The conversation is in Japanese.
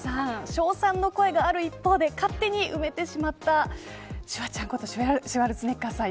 称賛の声がある一方で勝手に埋めてしまったシュワちゃんことシュワルツェネッガーさん